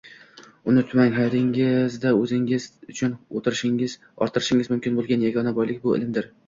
Unutmang, hayotingizda o’zingiz uchun orttirishingiz mumkin bo’lgan yagona boylik bu ilmdir